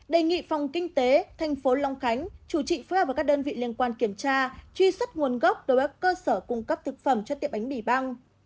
đề nghị phòng kinh tế tp hcm chủ trị phối hợp với các đơn vị liên quan kiểm tra truy xuất nguồn gốc đối với cơ sở cung cấp thực phẩm cho tiệm bánh mì băng